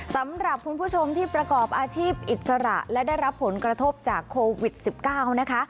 สำหรับคุณผู้ชมที่ประกอบอาชีพอิสระและได้รับผลกระทบจากโควิด๑๙นะคะ